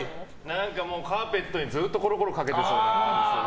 何かもうカーペットにずっとコロコロかけてそう。